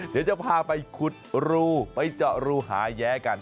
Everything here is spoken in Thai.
เดี๋ยวจะพาไปขุดรูไปเจาะรูหาแย้กัน